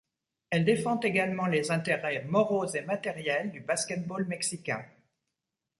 Elle défend également les intérêts moraux et matériels du basket-ball mexicain.